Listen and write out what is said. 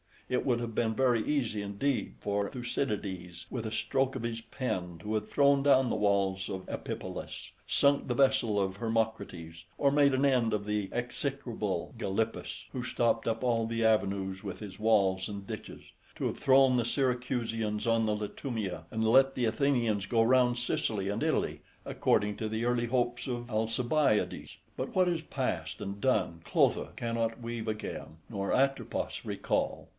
It would have been very easy indeed for Thucydides, with a stroke of his pen, to have thrown down the walls of Epipolis, sunk the vessel of Hermocrates, or made an end of the execrable Gylippus, who stopped up all the avenues with his walls and ditches; to have thrown the Syracusans on the Lautumiae, and have let the Athenians go round Sicily and Italy, according to the early hopes of Alcibiades: but what is past and done Clotho cannot weave again, nor Atropos recall.